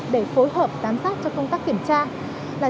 để phối hợp giám sát cho công tác kiểm tra